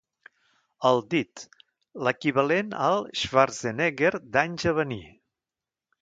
El dit: l'equivalent al Schwarzenegger d'anys a venir.